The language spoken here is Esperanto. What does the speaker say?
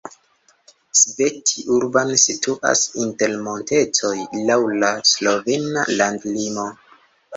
Sveti Urban situas inter montetoj laŭ la slovena landlimo.